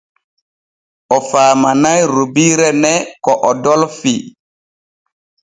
O faamanay rubiire ne ko o dolfii.